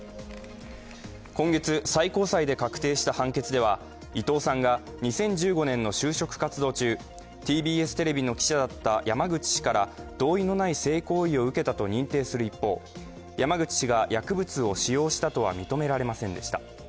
今月、最高裁で確定した判決では伊藤さんが２０１５年の就職活動中、ＴＢＳテレビの記者だった山口氏から同意のない性行為を受けたと認定する一方、山口氏が薬物を使用したとは認められませんでした。